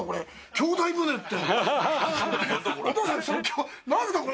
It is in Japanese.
「兄弟船」って。